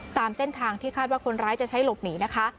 ตามเส้นทางที่คาดว่าคนร้ายจะใช้หลบหนีนะคะ